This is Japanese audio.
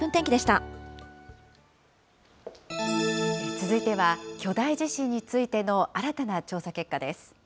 続いては、巨大地震についての新たな調査結果です。